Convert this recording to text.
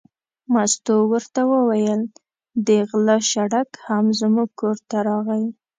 مستو ورته وویل: د غله شړک هم زموږ کور ته راغی.